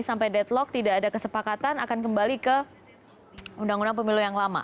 sampai deadlock tidak ada kesepakatan akan kembali ke undang undang pemilu yang lama